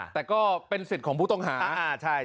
แต่ก็เป็นสิทธิ์ของผู้ต้องหา